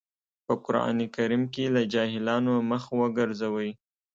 په قرآن کريم کې له جاهلانو مخ وګرځوئ.